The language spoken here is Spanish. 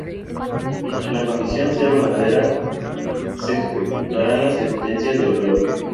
Mientras la condición sea verdadera, se ejecutarán las sentencias del bloque.